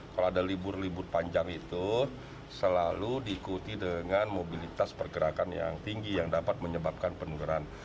kalau ada libur libur panjang itu selalu diikuti dengan mobilitas pergerakan yang tinggi yang dapat menyebabkan penularan